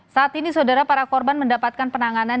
saat ini saudara para korban mendapatkan penanganan